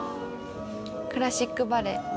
クラシックバレエ。